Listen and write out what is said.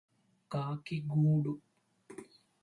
కాకి గూడు